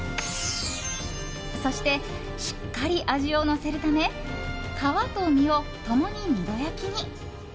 そして、しっかり味をのせるため皮と身を共に２度焼きに。